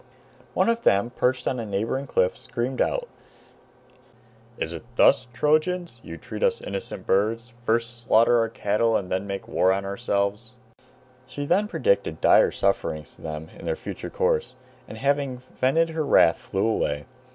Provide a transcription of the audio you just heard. One of them, perched on a neighboring cliff, screamed out, "Is it thus, Trojans, you treat us innocent birds, first slaughter our cattle and then make war on ourselves?" She then predicted dire sufferings to them in their future course, and having vented her wrath flew away.